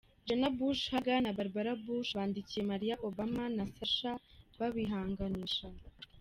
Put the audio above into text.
Jenna Bush Hager na Barbara Bush bandikiye Maria Obama na Sacha babihanganisha